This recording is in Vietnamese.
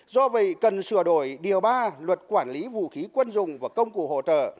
do vậy cần sửa đổi điều ba luật quản lý vũ khí quân dùng và công cụ hỗ trợ